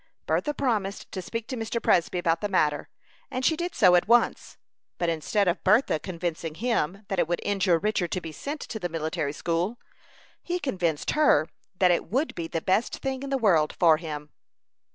Bertha promised to speak to Mr. Presby about the matter, and she did so at once; but instead of Bertha convincing him that it would injure Richard to be sent to the Military School, he convinced her that it would be the best thing in the world for him.